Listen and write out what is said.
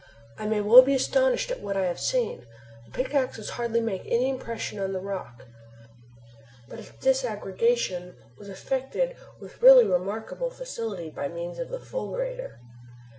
I may well be astonished at what I have seen. The pickaxes hardly made any impression on the rock, but its disaggregation was effected with really remarkable facility by means of the fulgurator.